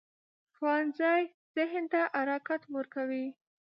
ښوونځی ذهن ته حرکت ورکوي